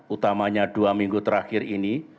utamanya dua minggu terakhir ini